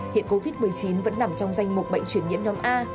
hiện covid một mươi chín vẫn nằm trong danh mục bệnh chuyển nhiễm nhóm a